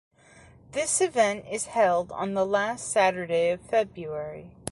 This event is held on the last Saturday of February.